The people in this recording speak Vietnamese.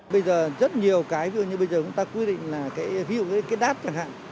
bây giờ rất nhiều cái ví dụ như bây giờ chúng ta quy định là cái ví dụ cái đát chẳng hạn